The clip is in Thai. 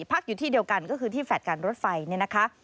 พักอยู่ที่เดียวกันก็คือที่แฟลตการรถไฟเนี่ยนะคะ